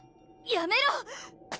やめろ！